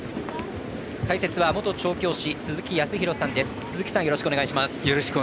解説は、元調教師鈴木康弘さんです。